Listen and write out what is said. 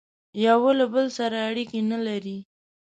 یوه له بل سره اړیکي نه لري